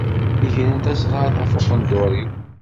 Gren tasɣart ɣef uqendur-iw.